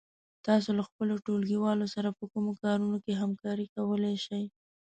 تاسو له خپلو ټولگيوالو سره په کومو کارونو کې همکاري کولای شئ؟